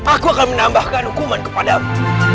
aku akan menambahkan hukuman kepadamu